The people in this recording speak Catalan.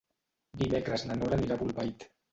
Dimecres na Nora anirà a Bolbait.